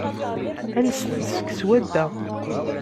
Alset-d seg swadda.